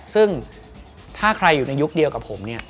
ซึ่งถ้าใครอยู่ในยุคเดียวกับผมเนี่ย